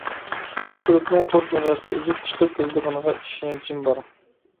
شۇ كۇلۇبنىڭ تور دۇنياسىدا ئۈزۈپ چىقىپ كېتىدىغىنىغا ئىشەنچىم بار.